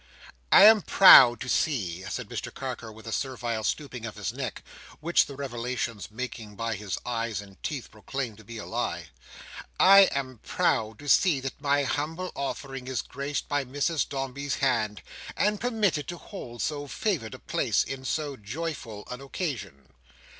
"I am proud to see," said Mr Carker, with a servile stooping of his neck, which the revelations making by his eyes and teeth proclaim to be a lie, "I am proud to see that my humble offering is graced by Mrs Dombey's hand, and permitted to hold so favoured a place in so joyful an occasion."